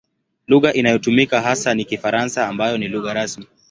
Lugha inayotumika hasa ni Kifaransa ambayo ni lugha rasmi.